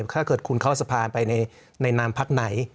ถ้าเกิดคุณเข้าสภาไปในนามพักไหน